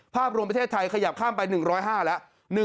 ภาพรวมประเทศไทยขยับข้ามไป๑๐๕แล้ว